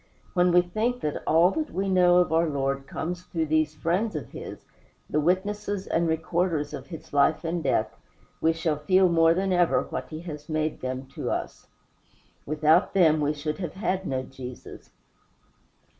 When we think that all that we know of our Lord comes through these friends of his the witnesses and recorders of his life and death we shall feel more than ever what he has made them to us. Without them we should have had no Jesus.